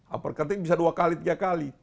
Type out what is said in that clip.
uppercutting bisa dua kali tiga kali